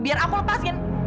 biar aku lepasin